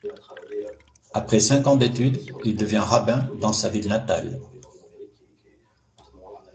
Après cinq ans d'études, il devient rabbin dans sa ville natale.